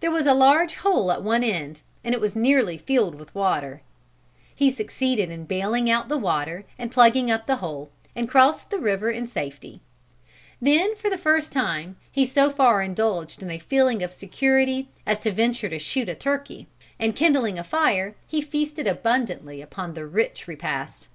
There was a large hole at one end, and it was nearly filled with water. He succeeded in bailing out the water and plugging up the hole, and crossed the river in safety. Then for the first time he so far indulged in a feeling of security as to venture to shoot a turkey, and kindling a fire he feasted abundantly upon the rich repast.